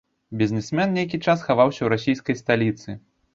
Бізнесмен нейкі час хаваўся ў расійскай сталіцы.